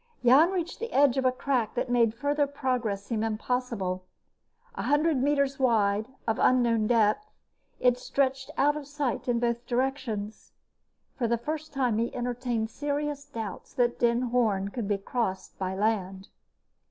Jan reached the edge of a crack that made further progress seem impossible. A hundred meters wide, of unknown depth, it stretched out of sight in both directions. For the first time he entertained serious doubts that Den Hoorn could be crossed by land.